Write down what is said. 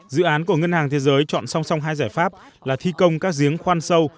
dự án của ngân hàng thế giới chọn song song hai giải pháp là thi công các giếng khoan sâu